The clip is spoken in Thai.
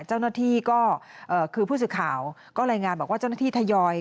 เจ้าหน้าที่ก็คือผู้สื่อข่าวก็รายงานบอกว่าเจ้าหน้าที่ทยอย